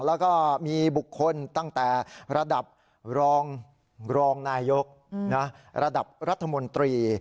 แล้วก็มีบุคคลตั้งแต่ระดับรองนายกระดับรัฐมนตรี